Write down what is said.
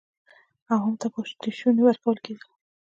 عوام ته پاتې شوني ورکول کېدل.